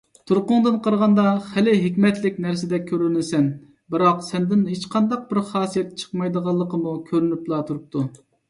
تۇرقۇڭدىن قارىغاندا، خېلى ھېكمەتلىك نەرسىدەك كۆرۈنىسەن. بىراق، سەندىن ھېچقانداق بىر خاسىيەت چىقمايدىغانلىقىمۇ كۆرۈنۈپلا تۇرۇپتۇ.